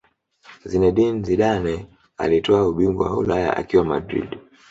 Zinedine Zidane alitwaa ubingwa wa Ulaya akiwa Madrid